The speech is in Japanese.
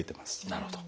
なるほど。